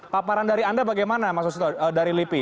paparan dari anda bagaimana mas susilo dari lipi